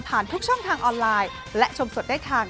เอาใหม่แล้วกันเนาะ